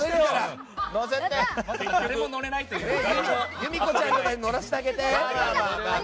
由美子ちゃん乗らせてあげて。